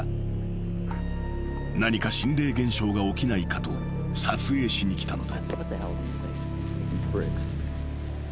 ［何か心霊現象が起きないかと撮影しに来たのだ］